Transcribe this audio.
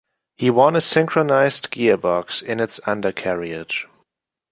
He won a synchronized gearbox in its undercarriage.